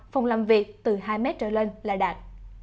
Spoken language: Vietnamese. phòng làm việc từ hai m trở lên là đạt